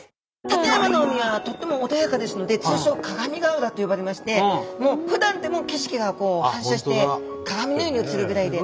館山の海はとっても穏やかですので通称「鏡ヶ浦」と呼ばれましてふだんでも景色が反射して鏡のように映るぐらいで。